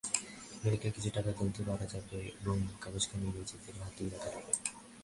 আমেরিকায় কিছু টাকা তুলতে পারা যাবে এবং কাগজখানি নিজেদের হাতেই রাখা যাবে।